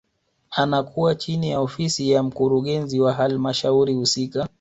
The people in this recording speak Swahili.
Anakuwa chini ya ofisi ya mkurugenzi wa halmashauri husika